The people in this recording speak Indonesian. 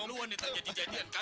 luan yang tak jadi jadian kan